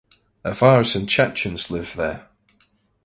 Avars and Chechens live there.